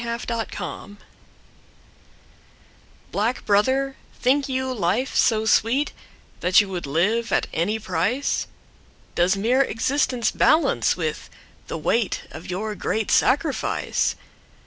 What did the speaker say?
Time to Die BLACK brother, think you life so sweetThat you would live at any price? Does mere existence balance withThe weight of your great sacrifice?